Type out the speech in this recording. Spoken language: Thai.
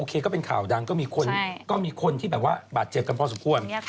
โอเคก็เป็นข่าวดังมีคนที่บาดเจ็บกันเพราะสมควร